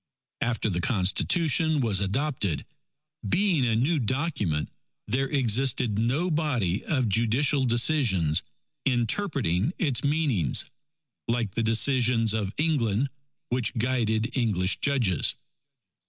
After the Constitution was adopted, being a new Document there existed no body of judicial decisions interpreting its meanings, like the decisions of England which guided English judges.